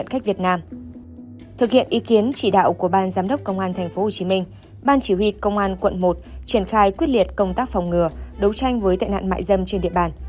thực hiện ý kiến chỉ đạo của ban giám đốc công an tp hcm ban chỉ huy công an quận một triển khai quyết liệt công tác phòng ngừa đấu tranh với tệ nạn mại dâm trên địa bàn